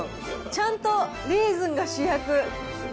ちゃんとレーズンが主役。